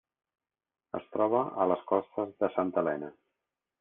Es troba a les costes de Santa Helena.